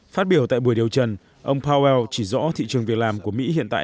phát biểu tại buổi điều trần ông powell chỉ rõ thị trường việc làm của mỹ hiện tại